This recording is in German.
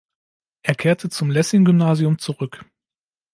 Er kehrte zum Lessing-Gymnasium zurück.